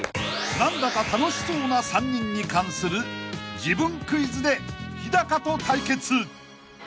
［何だか楽しそうな３人に関する自分クイズでヒダカと対決］